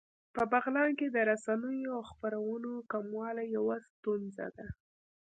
په بغلان کې د رسنیو او خپرونو کموالی يوه ستونزه ده